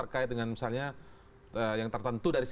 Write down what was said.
kan saya tadi